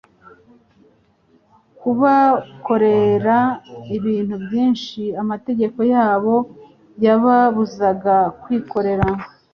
kubakorera ibintu byinshi amategeko yabo yababuzaga kwikorera.